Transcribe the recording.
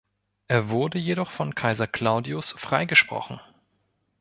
Er wurde jedoch von Kaiser Claudius freigesprochen.